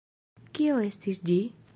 Kio estis ĝi?